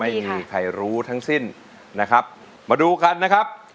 ไม่มีใครรู้ทั้งสิ้นนะครับมาดูกันนะครับ